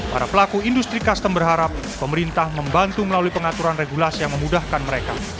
para pelaku industri custom berharap pemerintah membantu melalui pengaturan regulasi yang memudahkan mereka